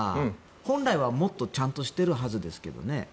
本来は、もっとちゃんとしてるはずですけどね。